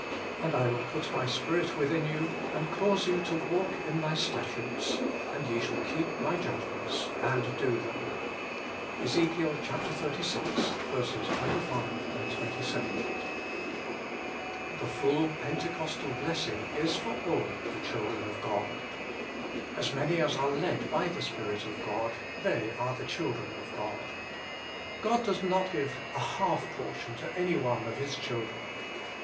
And I will put My Spirit within you, and cause you to walk in My statutes, and ye shall keep My judgments, and do them." EZEK. xxxvi. 25, 27. nHHE full Pentecostal blessing is for all the children of God. As many as are led by the Spirit of God, they are the children of God. 1 God does not give a half portion to any one of His children.